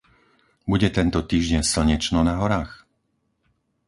Bude tento týždeň slnečno na horách?